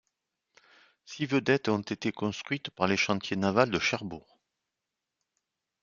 Six vedettes ont été construites par les chantiers navals de Cherbourg.